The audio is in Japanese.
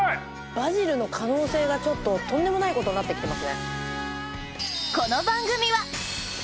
バジルの可能性がとんでもないことになってきてますね。